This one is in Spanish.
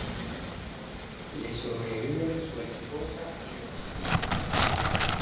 Le sobreviven su esposa y dos hijos.